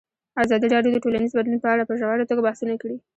ازادي راډیو د ټولنیز بدلون په اړه په ژوره توګه بحثونه کړي.